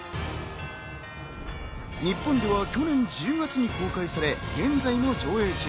日本では去年１０月に公開され、現在も上映中。